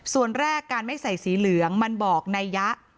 ส่วนแรกการไม่ใส่สีเหลืองมันบอกในยะ